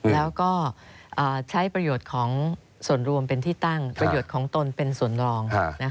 แล้วก็ใช้ประโยชน์ของส่วนรวมเป็นที่ตั้งประโยชน์ของตนเป็นส่วนรอง